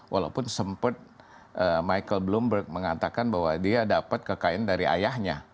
walaupun sempat michael bloomberg mengatakan bahwa dia dapat kekayaan dari ayahnya